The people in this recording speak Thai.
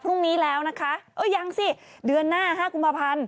พรุ่งนี้แล้วนะคะเออยังสิเดือนหน้า๕กุมภาพันธ์